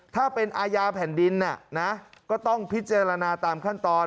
ถ้าเป็นอาญาแผ่นดินก็ต้องพิจารณาตามขั้นตอน